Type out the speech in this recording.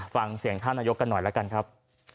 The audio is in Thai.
ฟังเสียงท่านนายกกันหน่อยแล้วกันครับ